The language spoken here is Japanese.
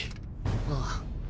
ああ。